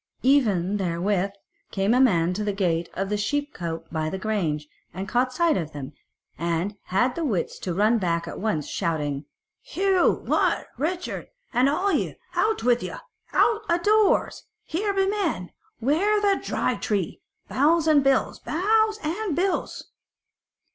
Even therewith came a man to the gate of the sheep cote by the grange, and caught sight of them, and had the wits to run back at once shouting out: "Hugh, Wat, Richard, and all ye, out with you, out a doors! Here be men! Ware the Dry Tree! Bows and bills! Bows and bills!"